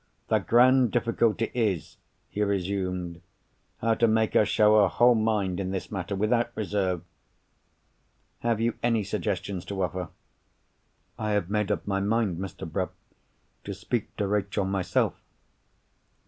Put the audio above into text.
"The grand difficulty is," he resumed, "how to make her show her whole mind in this matter, without reserve. Have you any suggestions to offer?" "I have made up my mind, Mr. Bruff, to speak to Rachel myself."